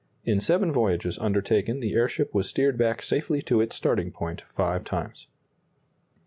In seven voyages undertaken the airship was steered back safely to its starting point five times.